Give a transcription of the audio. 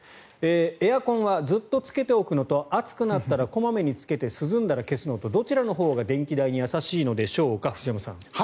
エアコンはずっとつけておくのと暑くなったら小まめにつけて涼んだら消すのとどちらのほうが電気代に優しいのでしょうかということです。